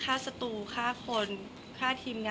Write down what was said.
คนเราถ้าใช้ชีวิตมาจนถึงอายุขนาดนี้แล้วค่ะ